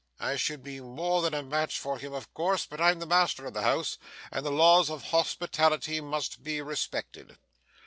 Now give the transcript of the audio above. I should be more than a match for him, of course, but I'm the master of the house, and the laws of hospitality must be respected.